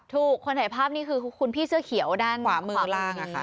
คนถ่ายภาพนี่คือคุณพี่เสื้อเขียวด้านขวามือขวาล่าง